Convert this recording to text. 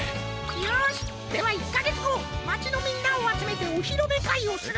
よしでは１かげつごまちのみんなをあつめておひろめかいをする！